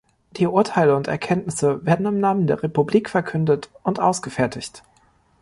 Die Urteile und Erkenntnisse werden im Namen der Republik verkündet und ausgefertigt.